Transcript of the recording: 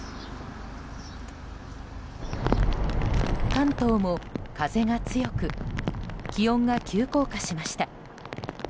関東も、風が強く気温が急降下しました。